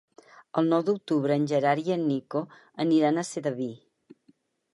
El nou d'octubre en Gerard i en Nico aniran a Sedaví.